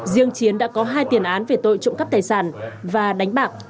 riêng chiến đã có hai tiền án về tội trộm cắp tài sản và đánh bạc